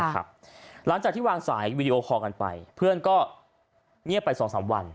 หลังจากที่วางสายวีดีโอคอลกันไปเพื่อนก็เงียบไป๒๓วัน